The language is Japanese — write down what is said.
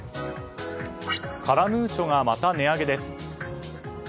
カラムーチョがまた値上げです。